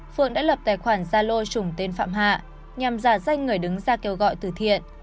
phượng đã lập tài khoản gia lô chủng tên phạm hạ nhằm giả danh người đứng ra kêu gọi từ thiện